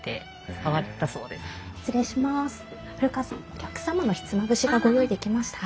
お客様のひつまぶしがご用意できました。